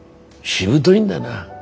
しぶどいんだな。